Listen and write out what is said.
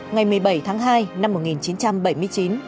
ngày một mươi bảy tháng hai năm một nghìn chín trăm bảy mươi chín